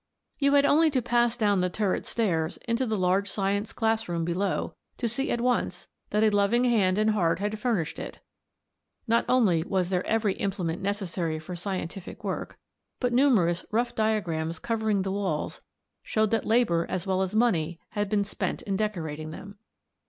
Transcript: You had only to pass down the turret stairs, into the large science class room below, to see at once that a loving hand and heart had furnished it. Not only was there every implement necessary for scientific work, but numerous rough diagrams covering the walls showed that labour as well as money had been spent in decorating them.